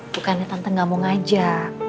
bukannya tante gak mau ngajak